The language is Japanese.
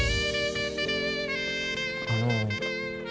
あの。